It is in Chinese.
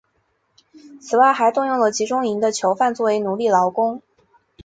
此外还动用了集中营的囚犯作为奴隶劳工。